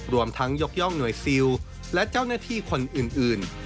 รวมทั้งยกย่องหน่วยซิลและเจ้าหน้าที่คนอื่น